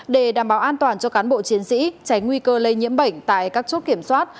để đảm bảo an toàn cho cán bộ chiến sĩ tránh nguy cơ lây nhiễm bệnh tại các chốt kiểm soát